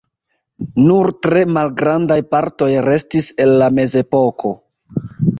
Nur tre malgrandaj partoj restis el la mezepoko.